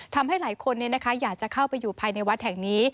ทำให้หลายคนอยากจะเข้าไปอยู่ภายในวัดแห่งนี้